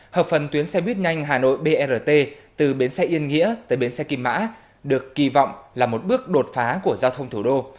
hợp phần tuyến xe buýt nhanh hà nội brt từ bến xe yên nghĩa tới bến xe kim mã được kỳ vọng là một bước đột phá của giao thông thủ đô